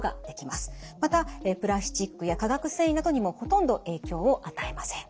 またプラスチックや化学繊維などにもほとんど影響を与えません。